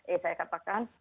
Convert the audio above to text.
eh saya katakan